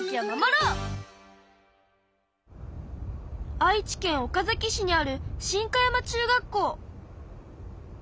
愛知県岡崎市にある新香山中学校。